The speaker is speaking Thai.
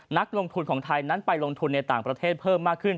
นักลงทุนของไทยนั้นไปลงทุนในต่างประเทศเพิ่มมากขึ้น